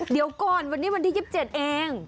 เดี๋ยวก่อนวันนี้วันที่๒๗เอง